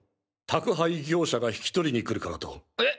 宅配業者が引き取りに来るからと。え？